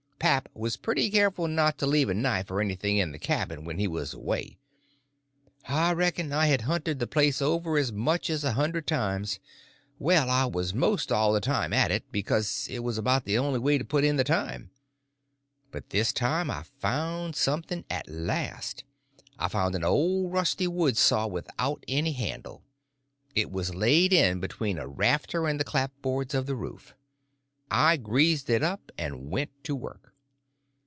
Pap was pretty careful not to leave a knife or anything in the cabin when he was away; I reckon I had hunted the place over as much as a hundred times; well, I was most all the time at it, because it was about the only way to put in the time. But this time I found something at last; I found an old rusty wood saw without any handle; it was laid in between a rafter and the clapboards of the roof. I greased it up and went to work.